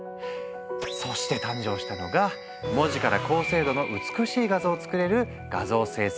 そして誕生したのが文字から高精度の美しい画像を作れる画像生成